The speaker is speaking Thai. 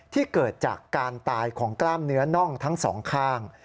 เกิดจากการตายของกล้ามเนื้อน่องทั้งสองข้าง